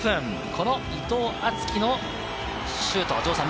この伊藤敦樹のシュート、城さん